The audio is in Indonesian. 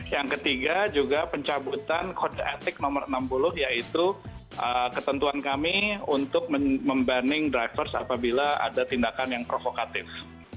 yang ketiga juga pencabutan kode etik nomor enam puluh yaitu ketentuan kami untuk membanning drivers apabila ada tindakan yang provokatif